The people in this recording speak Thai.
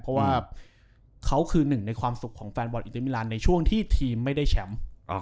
เพราะว่าเขาคือหนึ่งในความสุขของแฟนบอลอิตามิลันในช่วงที่ทีมไม่ได้แชมป์